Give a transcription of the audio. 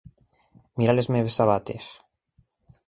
Mira les meves sabates.